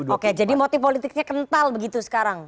oke jadi motif politiknya kental begitu sekarang